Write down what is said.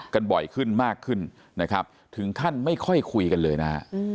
กันบ่อยขึ้นมากขึ้นนะครับถึงขั้นไม่ค่อยคุยกันเลยนะฮะ